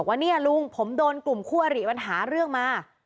ว่าเนี่ยลุงผมโดนกลุ่มคู่อริมันหาเรื่องมา